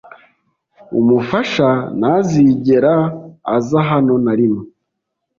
umufasha ntazigera aza hano narimwe